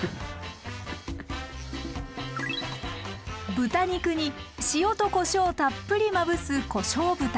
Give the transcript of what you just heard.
豚肉に塩とこしょうをたっぷりまぶす「こしょう豚」。